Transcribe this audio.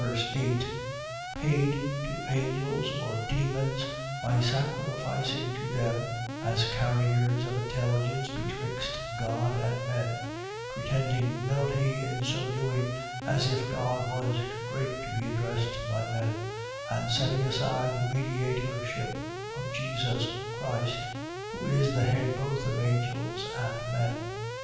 8) paid to angels or demons, by sacrificing to them, as carriers of intelligence betwixt God and men; pretending humility in so doing, as if God was too great to be addressed by men; and setting aside the mediatorship of Jesus Christ, who is the head both of angels and men.